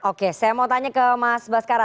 oke saya mau tanya ke mas baskara